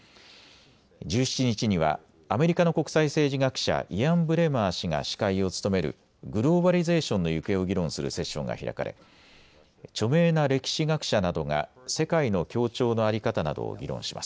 １７日にはアメリカの国際政治学者、イアン・ブレマー氏が司会を務めるグローバリゼーションの行方を議論するセッションが開かれ著名な歴史学者などが世界の協調の在り方などを議論します。